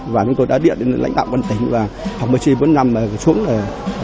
và chúng tôi đã điện đến lãnh đạo quân tỉnh và học mơ sĩ vân năm xuống